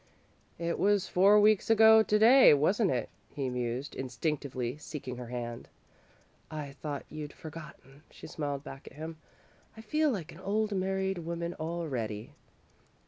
"It was four weeks ago to day, wasn't it?" he mused, instinctively seeking her hand. "I thought you'd forgotten," she smiled back at him. "I feel like an old married woman, already."